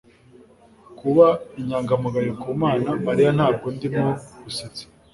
Kuba inyangamugayo ku Mana, Mariya, ntabwo ndimo gusetsa